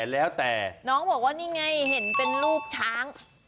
แล้วแต่น้องบอกว่านี่ไงเห็นเป็นรูปช้าง